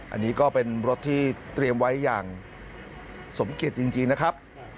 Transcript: อันนี้ก็เป็นรถที่เตรียมไว้อย่างสมเกียจจริงนะครับ